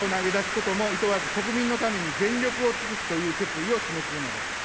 命を投げ出すこともいとわず、国民のために全力を尽くすという決意を示すものです。